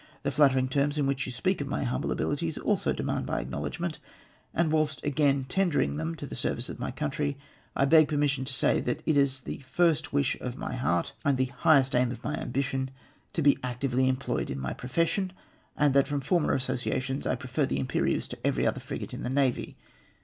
The flattering terms in which 3"ou speak of my humble abilities also demand my acknowledgment ; and, whilst again tendering them to the service of my country, I beg permission to say that it is the tirst Avish of my heart and the highest aim of my ambition to be actively employed in my profession, and that from former associations I prefer the Invperieuse to every other frigate in the Navy.